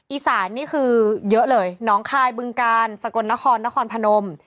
นี่คือเยอะเลยน้องคายบึงกาลสกลนครนครพนม